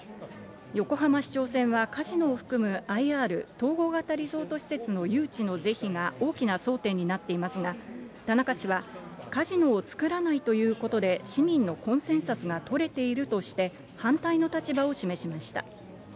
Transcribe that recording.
横浜市長選は、カジノを含むＩＲ・統合型リゾート施設の誘致の是非が大きな争点になっていますが、田中氏はカジノを作らないということで市民のコンセンサスが取れているとして、反対の立場を示しました。